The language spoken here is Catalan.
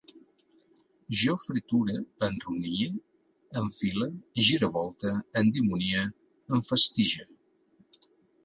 Jo freture, enronie, enfile, giravolte, endimonie, enfastige